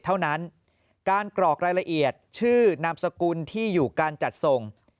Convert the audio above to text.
เท่านั้นการกรอกรายละเอียดชื่อนามสกุลที่อยู่การจัดส่ง